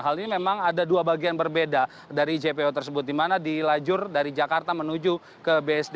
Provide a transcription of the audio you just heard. hal ini memang ada dua bagian berbeda dari jpo tersebut dimana di lajur dari jakarta menuju ke bsd